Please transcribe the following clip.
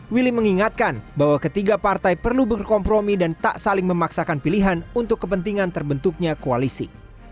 willy mengingatkan bahwa ketiga partai perlu berkompromi dan tak saling memaksakan pilihan untuk kepentingan terbentuknya koalisi